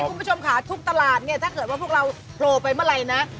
คุณผู้ชมค่ะทุกตลาดเนี่ยถ้าเกิดว่าพวกเราโผล่ไปเมื่อไหร่นะ